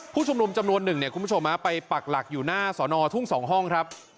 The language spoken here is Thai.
ผู้ชุมนุมจำนวนหนึ่งเนี่ยคุณผู้ชมไปปักหลักอยู่หน้าสอนอทุ่ง๒ห้องครับ